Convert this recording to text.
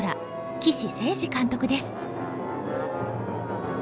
岸誠二監督です。